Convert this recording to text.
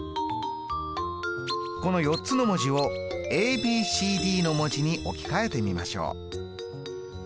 この４つの文字をｂｃｄの文字に置き換えてみましょう。